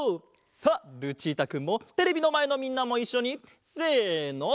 さあルチータくんもテレビのまえのみんなもいっしょにせの！